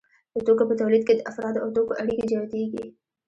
د توکو په تولید کې د افرادو او توکو اړیکې جوتېږي